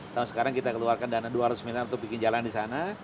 tahun sekarang kita keluarkan dana dua ratus miliar untuk bikin jalan di sana